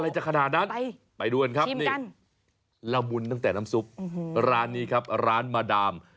จะขนาดนั้นไปดูกันครับนี่ละมุนตั้งแต่น้ำซุปร้านนี้ครับร้านมาดาม